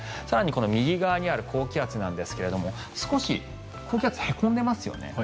更に右側にある高気圧なんですが少し高気圧、へこんでますよね。